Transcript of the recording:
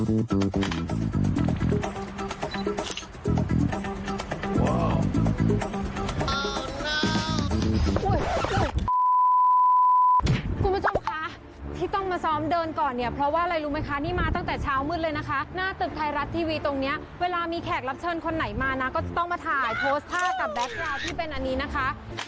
คุณผู้ชมคะที่ต้องมาซ้อมเดินก่อนเนี่ยเพราะว่าอะไรรู้ไหมคะนี่มาตั้งแต่เช้ามืดเลยนะคะหน้าตึกไทยรัฐทีวีตรงนี้เวลามีแขกรับเชิญคนไหนมานะก็จะต้องมาถ่ายโพสต์ท่ากับแก๊กราวที่เป็นอันนี้นะคะ